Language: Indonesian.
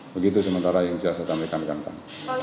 begitu sementara yang bisa saya sampaikan